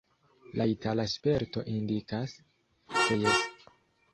La itala sperto indikas, ke jes.